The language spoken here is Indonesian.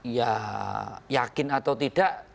ya yakin atau tidak